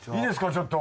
ちょっと。